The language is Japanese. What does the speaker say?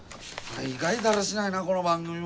大概だらしないなあこの番組も。